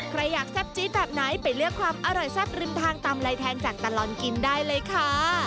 ใครอยากแซ่บจี๊ดแบบไหนไปเลือกความอร่อยแซ่บริมทางตามลายแทงจากตลอดกินได้เลยค่ะ